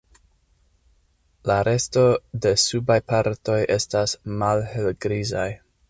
La resto de subaj partoj estas malhelgrizaj.